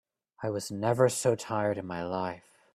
I was never so tired in my life.